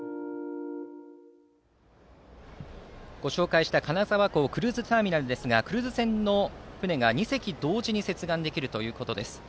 ご紹介した金沢港クルーズターミナルですがクルーズ船の船が２隻同時に接岸できるということです。